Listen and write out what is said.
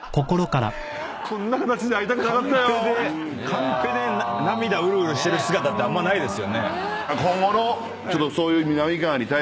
カンペで涙うるうるしてる姿ってあんまないですよね。